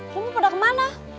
lo mau pada kemana